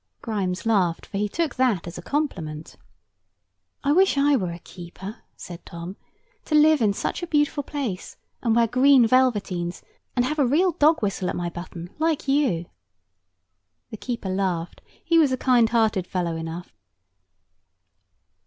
Grimes laughed, for he took that for a compliment. "I wish I were a keeper," said Tom, "to live in such a beautiful place, and wear green velveteens, and have a real dog whistle at my button, like you." The keeper laughed; he was a kind hearted fellow enough.